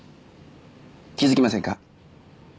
気づきませんか？